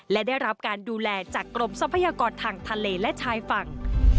และได้รับการดูแลจากกรมทรัพยากรทางทะเลและชายฝั่ง